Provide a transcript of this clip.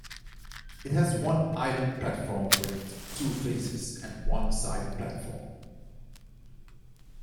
It has one island platform with two faces, and one side platform.